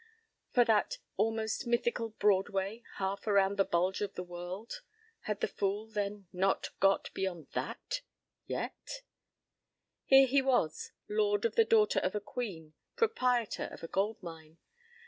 For that almost mythical Broadway half around the bulge of the world? Had the fool, then, not got beyond that? Yet? Here he was, lord of the daughter of a queen, proprietor of a "gold mine."